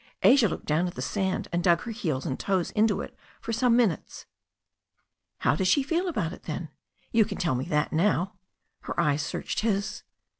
Asia looked down at the sand, and dug her heels and toes into it for some minutes. "How does she feel about it then? You can tell me that now." Her eyes searched his.